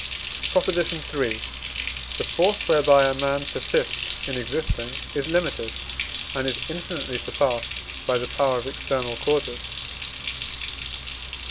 PROP. III. The force whereby a man persists in existing is limited, and is infinitely surpassed by the power of external causes.